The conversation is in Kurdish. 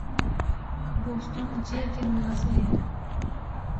Boston ciyekî nuwaze ye.